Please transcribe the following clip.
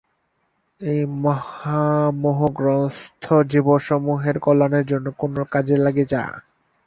এই মহামোহগ্রস্থ জীবসমূহের কল্যাণের জন্য কোন কাজে লেগে যা।